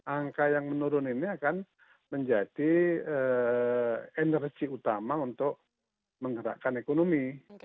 angka yang menurun ini akan menjadi energi utama untuk menggerakkan ekonomi